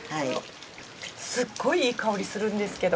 すっごいいい香りするんですけど。